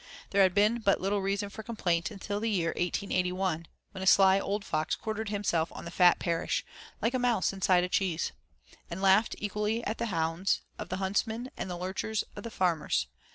There had been but little reason for complaint until the year 1881, when a sly old fox quartered himself on the fat parish, like a mouse inside a cheese, and laughed equally at the hounds of the huntsmen and the lurchers of the farmers.